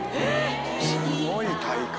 すごい体幹。